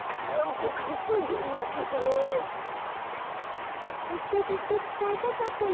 ボクいそいでるんだけど。ずっとずっとつたえたかったの。